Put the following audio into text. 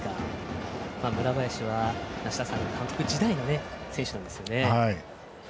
村林は梨田さんの監督時代の選手なんですよね。